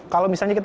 kalau misalnya kita